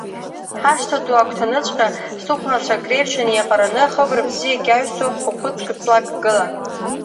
Ҳашҭа ду агәҭаныҵәҟьа, сыхәнацәак реиԥш инеиҟараны, хыбра бзиак иаҩсуа хә-қәыц ҵлак гылан.